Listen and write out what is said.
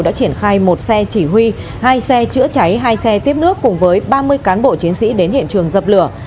đã triển khai một xe chỉ huy hai xe chữa cháy hai xe tiếp nước cùng với ba mươi cán bộ chiến sĩ đến hiện trường dập lửa